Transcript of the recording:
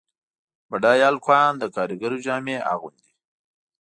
بډایه هلکان د کارګرو جامې اغوندي.